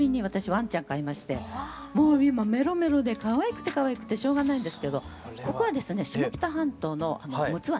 ワンちゃん飼いましてもう今メロメロでかわいくてかわいくてしょうがないんですけどここはですね下北半島の陸奥湾ですね。